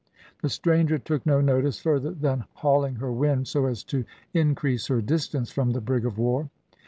The stranger took no notice further than "hauling her wind," so as to increase her distance from the brig of war.